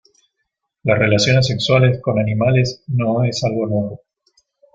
Las relaciones sexuales con animales no es algo nuevo.